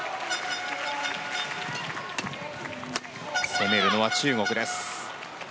攻めるのは中国です。